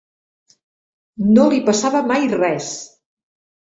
No li passava mai res